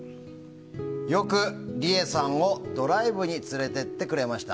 よくリエさんをドライブに連れて行ってくれました。